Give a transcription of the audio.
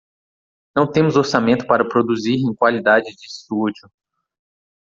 Não temos orçamento para produzir em qualidade de estúdio.